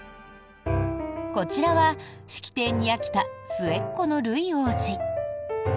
こちらは式典に飽きた末っ子のルイ王子。